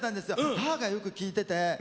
母がよく聴いてて。